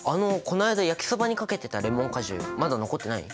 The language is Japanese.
こないだ焼きそばにかけてたレモン果汁まだ残ってない？